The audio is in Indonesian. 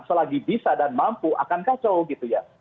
selagi bisa dan mampu akan kacau gitu ya